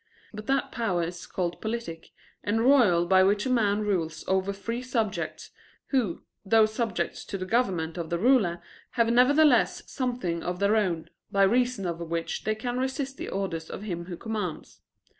But that power is called politic and royal by which a man rules over free subjects, who, though subject to the government of the ruler, have nevertheless something of their own, by reason of which they can resist the orders of him who commands.